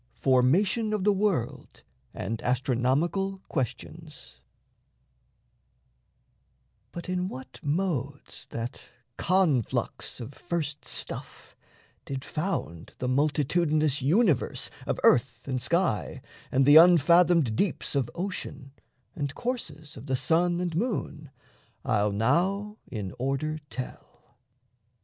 FORMATION OF THE WORLD AND ASTRONOMICAL QUESTIONS But in what modes that conflux of first stuff Did found the multitudinous universe Of earth, and sky, and the unfathomed deeps Of ocean, and courses of the sun and moon, I'll now in order tell.